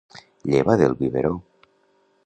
Lleva del biberó.